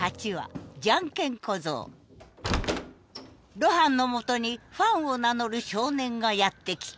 露伴のもとにファンを名乗る少年がやって来た。